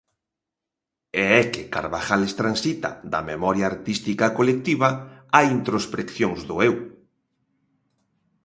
E é que Carbajales transita "da memoria artística colectiva á introspeccións do eu".